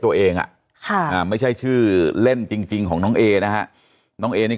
ตัวเองอ่ะค่ะอ่าไม่ใช่ชื่อเล่นจริงของน้องเอนะฮะน้องเอนี่